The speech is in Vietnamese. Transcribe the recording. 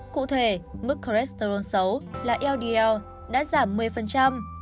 cụ thể mức cholesterol xấu là ld đã giảm một mươi